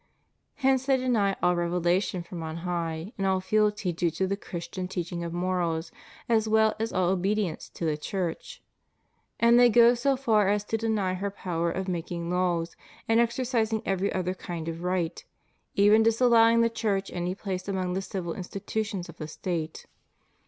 Hence they deny all revela tion from on high, and all fealty due to the Christian teaching of morals as well as all obedience to the Church ; and they go so far as to deny her power of making laws and exercising every other kind of right, even disallowing the Church any place among the civil institutions of the State.